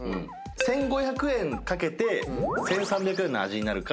１，５００円かけて１，３００円の味になるか。